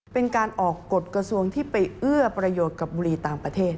เป็นการออกกฎกระทรวงที่ไปเอื้อประโยชน์กับบุรีต่างประเทศ